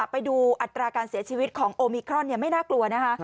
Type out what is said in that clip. ไปดูอัตราการเสียชีวิตของโอมิครอนไม่น่ากลัวนะคะ